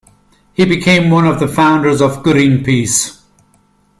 He became one of the founders of Greenpeace.